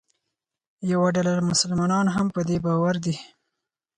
یوه ډله مسلمانان هم په دې باور دي.